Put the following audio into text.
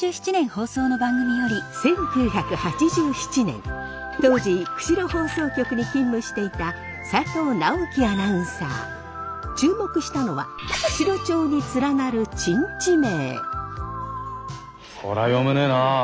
１９８７年当時釧路放送局に勤務していた注目したのは釧路町に連なる珍地名。